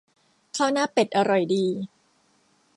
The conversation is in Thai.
ข้าวหน้าเป็ดอร่อยดี